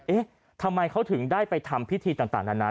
เอ๊ะทำไมเขาถึงได้ไปทำพิธีต่างนานา